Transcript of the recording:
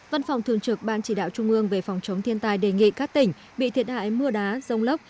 văn phòng thường trực ban chỉ đạo trung ương về phòng chống thiên tai đề nghị các tỉnh bị thiệt hại mưa đá rông lốc